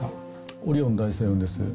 オリオン大星雲です。